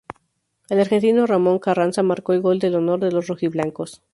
El argentino Ramón Carranza marcó el gol del honor de los rojiblancos.